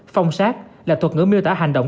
phong sát là thuật ngữ miêu tả hành động